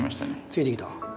ついてきた。